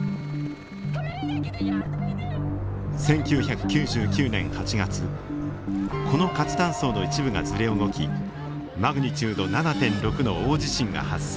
１９９９年８月この活断層の一部がずれ動きマグニチュード７．６の大地震が発生。